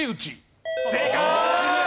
正解！